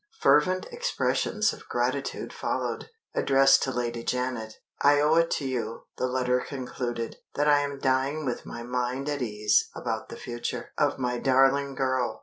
Fervent expressions of gratitude followed, addressed to Lady Janet. "I owe it to you," the letter concluded, "that I am dying with my mind at ease about the future of my darling girl.